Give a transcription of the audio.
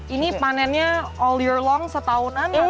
ini panennya all year long setahunan atau